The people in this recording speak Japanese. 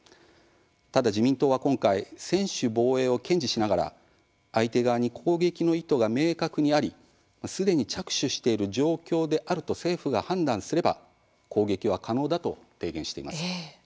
ただ自民党は今回専守防衛を堅持しながら相手側に攻撃の意図が明確にありすでに着手している状況であると政府が判断すれば攻撃は可能だと提言しています。